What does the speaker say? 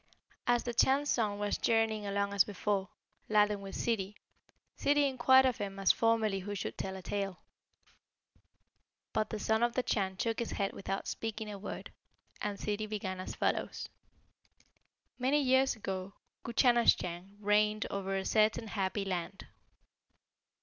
As the Chan's Son was journeying along as before, laden with Ssidi, Ssidi inquired of him as formerly who should tell a tale. But the Son of the Chan shook his head without speaking a word, and Ssidi began as follows: "Many years ago Guchanasschang reigned over a certain happy land.